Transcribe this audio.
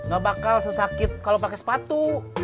ga bakal sesakit kalo pake sepatu